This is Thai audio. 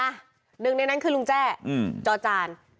หนึ่งในนั้นคือลุงแจ้จอจาน